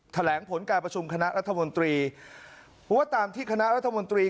แถลงผลการประชุมคณะรัฐมนตรีว่าตามที่คณะรัฐมนตรี